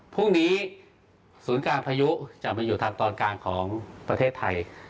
พรุ่งนี้ศูนย์การพายุจะมาอยู่ทางตอนกลางของประเทศไทย